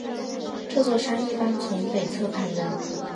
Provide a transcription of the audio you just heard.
这座山一般从北侧攀登。